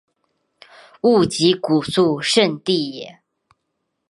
勿吉古肃慎地也。